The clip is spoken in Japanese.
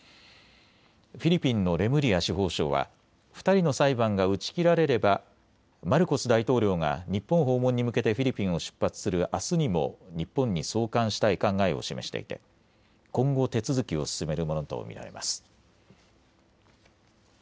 フィリピンのレムリア司法相は２人の裁判が打ち切られればマルコス大統領が日本訪問に向けてフィリピンを出発するあすにも日本に送還したい考えを示していて、今後手続きを進めるものと見られます。